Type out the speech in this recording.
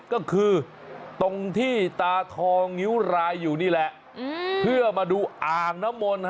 ก็คือตรงที่ตาทองงิ้วรายอยู่นี่แหละเพื่อมาดูอ่างน้ำมนต์